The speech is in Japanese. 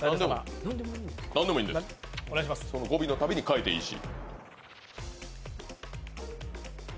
何でもいいんです、語尾のたびに変えていいし。